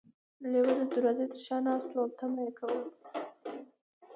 لیوه د دروازې تر شا ناست و او تمه یې کوله.